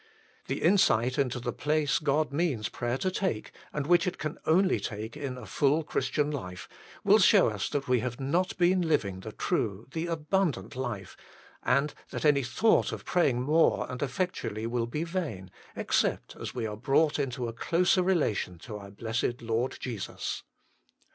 The insight into the place God means prayer to take, and which it only can take, in a full Christian life, will show us that we have not been living the true, the abundant life, and that any thought of praying more and effectually will be vain, except as we are brought THE LACK OF PRAYER 19 into a closer relation to our Blessed Lord Jesus.